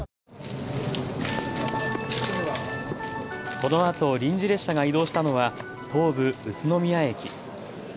このあと臨時列車が移動したのは東武宇都宮駅。